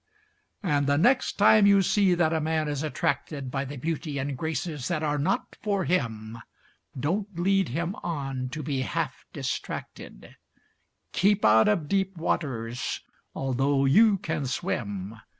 And the next time you see that a man is attracted By the beauty and graces that are not for him, Don't lead him on to be half distracted; Keep out of deep waters although you can swim.